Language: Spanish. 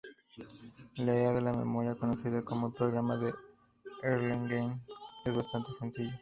La idea de la memoria, conocida como el "Programa de Erlangen", es bastante sencilla.